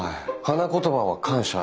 花言葉は「感謝」。